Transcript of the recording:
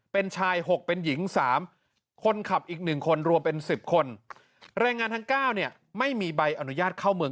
เป็นชาย๖เป็นหญิง๓คนขับอีก๑คนรวมเป็น๑๐คนแรงงานทั้ง๙เนี่ยไม่มีใบอนุญาตเข้าเมือง